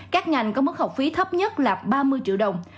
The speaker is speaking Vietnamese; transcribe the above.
các ngành có mức học phí thấp nhất là ba mươi triệu đồng